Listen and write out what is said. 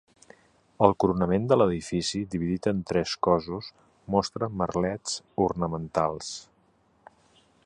El coronament de l'edifici, dividit en tres cossos, mostra merlets ornamentals.